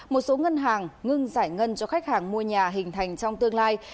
một số ngân hàng ngưng giải ngân cho khách hàng mua nhà hình thành trong tương lai